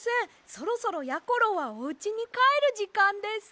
そろそろやころはおうちにかえるじかんです。